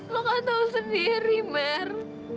lo gak tahu sendiri mer